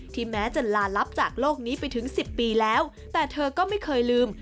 แม้จะลาลับจากโลกนี้ไปถึง๑๐ปีแล้วแต่เธอก็ไม่เคยลืม